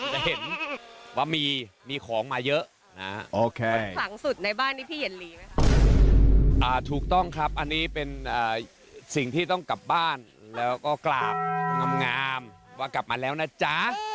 จะเห็นว่ามีของมาเยอะ